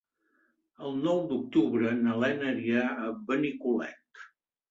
El nou d'octubre na Lena anirà a Benicolet.